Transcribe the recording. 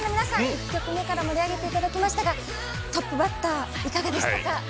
１曲目から盛り上げていただきましたがトップバッターいかがでしたか。